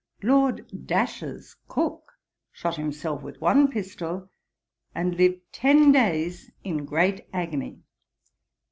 Lord 's cook shot himself with one pistol, and lived ten days in great agony.